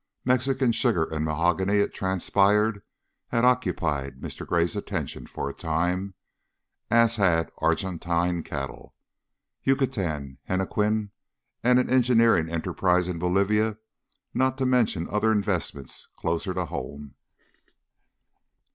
Mexican sugar and mahogany, it transpired, had occupied Mr. Gray's attention for a time, as had Argentine cattle, Yucatan hennequin, and an engineering enterprise in Bolivia, not to mention other investments closer to home.